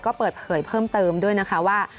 ก็เปิดเผยเพิ่มเติมด้วยนะคะว่า